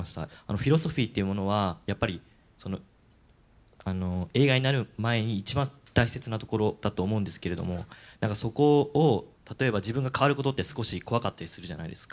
フィロソフィーっていうものはやっぱり映画になる前に一番大切なところだと思うんですけれどもそこを例えば自分が変わる事って少し怖かったりするじゃないですか。